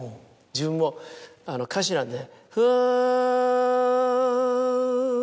自分も歌手なんで